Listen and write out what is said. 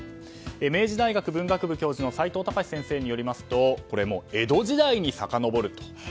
明治大学文学部教授の齋藤孝教授によりますと江戸時代にさかのぼると。